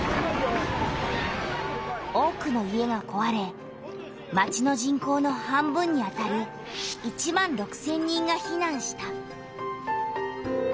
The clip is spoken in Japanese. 多くの家がこわれ町の人口の半分にあたる１万６千人がひなんした。